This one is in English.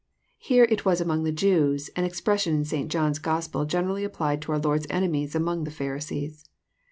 * Here it was among the " Jews," an expression in St. John's Gospel generally applied to oar Lord's vnemies among the Pharisees.